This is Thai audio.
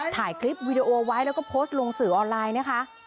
ถ่ายคลิปวีดีโอไว้แล้วก็โพสต์ลงสื่อออนไลน์นะคะ